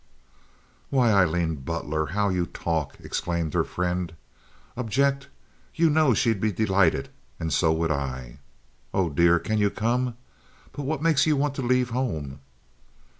"Why, Aileen Butler, how you talk!" exclaimed her friend. "Object! You know she'd be delighted, and so would I. Oh, dear—can you come? But what makes you want to leave home?"